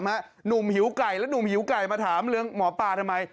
หนุ่มหิวไก่แล้วหนุ่มหิวไก่มาถามเรื่องหมอปลาทำไม